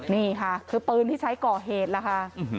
นี่ค่ะคือปืนที่ใช้ก่อเหตุล่ะค่ะ